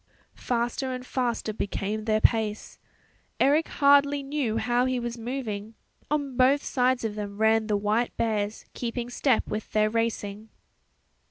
Faster and faster became their pace. Eric hardly knew how he was moving; on both sides of them ran the white bears keeping step with their racing.